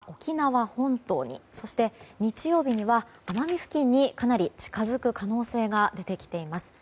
土曜日には沖縄本島にそして日曜日には奄美付近にかなり近づく可能性が出てきています。